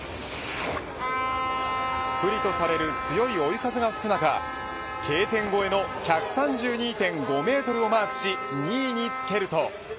不利とされる強い追い風が吹く中Ｋ点越えの１３２．５メートルをマークし２位につけると。